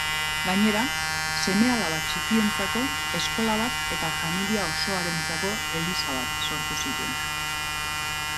Gainera, seme-alaba txikientzako eskola bat eta familia osoarentzako eliza bat sortu zituen.